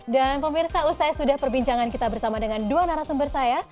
dan pemirsa usai sudah perbincangan kita bersama dengan dua narasumber saya